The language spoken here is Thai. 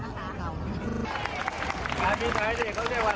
แต่นี่ไทยเขาเยี่ยมว่า